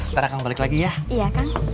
nanti aku balik lagi ya